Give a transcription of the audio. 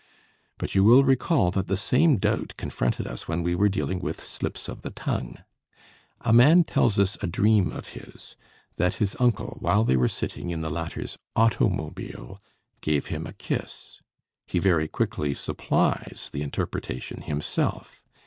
But you will recall that the same doubt confronted us when we were dealing with slips of the tongue. A man tells us a dream of his, that his uncle, while they were sitting in the latter's _auto_mobile, gave him a kiss. He very quickly supplies the interpretation himself.